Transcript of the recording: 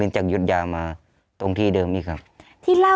มีจากยุทยามาตรงที่เดิมนี่ครับที่เล่า